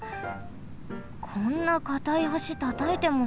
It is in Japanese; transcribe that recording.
こんなかたい橋たたいてもさ。